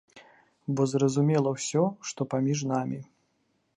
Бо зразумела ўсё, што паміж намі.